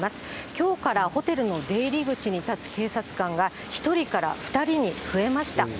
きょうからホテルの出入り口に立つ警察官が１人から２人に増えました。